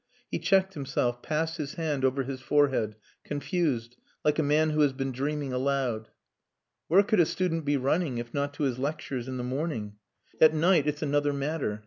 He checked himself, passed his hand over his forehead, confused, like a man who has been dreaming aloud. "Where could a student be running if not to his lectures in the morning? At night it's another matter.